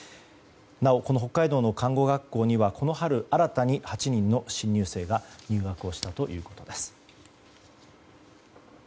なお、この北海道の看護学校にはこの春新たに８人の新入生が入学をしたということです。